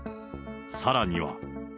さらには。